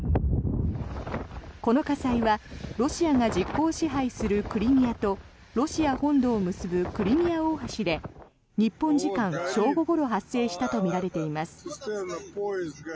この火災はロシアが実効支配するクリミアとロシア本土を結ぶクリミア大橋で日本時間正午ごろ発生したとみられています。